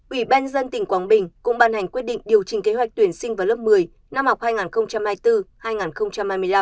ủy ban dân tỉnh quảng bình cũng ban hành quyết định điều chỉnh kế hoạch tuyển sinh vào lớp một mươi năm học hai nghìn hai mươi bốn hai nghìn hai mươi năm